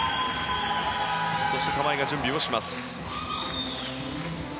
そして玉井が準備をします。